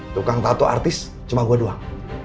tukang tato artis cuma gua doang